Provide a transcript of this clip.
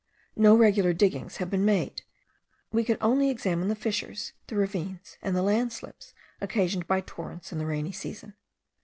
No regular diggings having been made, we could only examine the fissures, the ravines, and the land slips occasioned by torrents in the rainy season.